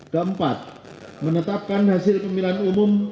keempat menetapkan hasil pemilihan umum